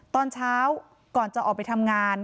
ตอนเช้าก่อนจะออกไปทำงาน